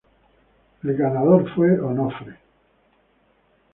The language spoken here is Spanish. El ganador fue Onofre.